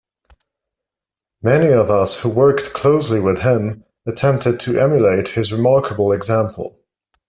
Many of us who worked closely with him attempted to emulate his remarkable example.